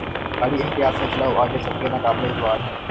گاڑی احتیاط سے چلاؤ! آگے سڑکیں ناقابل اعتبار ہیں۔